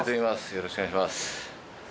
よろしくお願いします。